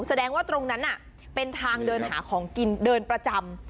แสดงว่าตรงนั้นเป็นทางเดินหาของกินเดินประจำ